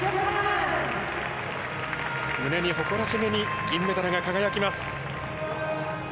胸に誇らしげに銀メダルが輝きます。